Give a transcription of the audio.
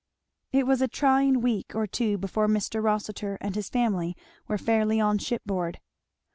It was a trying week or two before Mr. Rossitur and his family were fairly on shipboard.